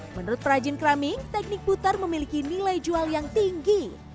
menurut perajin keramik teknik putar memiliki nilai jual yang tinggi